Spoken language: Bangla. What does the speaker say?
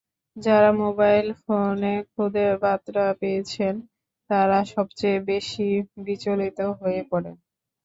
যাঁরা মোবাইল ফোনে খুদে বার্তা পেয়েছেন, তাঁরা সবচেয়ে বেশি বিচলিত হয়ে পড়েন।